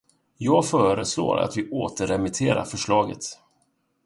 Jag föreslår att vi återremittera förslaget.